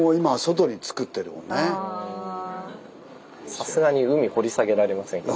さすがに海掘り下げられませんから。